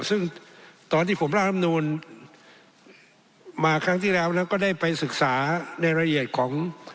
ซึ่งตอนที่ผมร่างรำนูลมาครั้งที่แล้วแล้วก็ได้ไปศึกษาในรายละเอียดของ